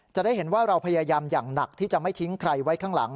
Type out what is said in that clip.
จะได้เห็นว่าเราพยายามอย่างหนักที่จะไม่ทิ้งใครไว้ข้างหลัง